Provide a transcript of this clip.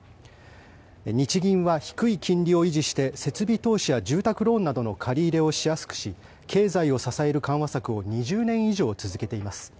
日銀は低い金利を維持して設備投資や住宅ローンなどの借り入れをしやすくし経済を支える緩和策を２０年以上続けています。